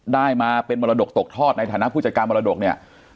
ได้มาเป็นมรดกตกทอดในฐานะผู้จัดการมรดกเนี่ย